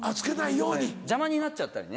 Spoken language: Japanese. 邪魔になっちゃったりね。